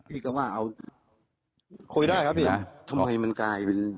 พี่ก็ว่าเอาคุยได้ครับพี่ทำไมมันกลายเป็น